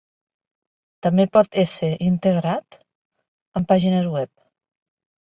També pot ésser integrat en pàgines web.